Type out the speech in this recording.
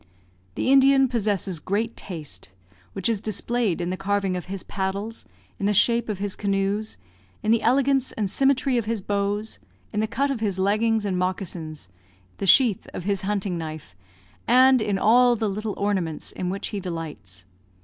The Indian possesses great taste, which is displayed in the carving of his paddles, in the shape of his canoes, in the elegance and symmetry of his bows, in the cut of his leggings and moccasins, the sheath of his hunting knife, and in all the little ornaments in which he delights.